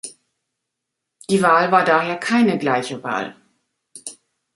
Die Wahl war daher keine gleiche Wahl.